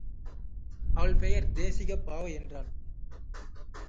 அவள் பெயர் தேசிகப் பாவை என்றான்.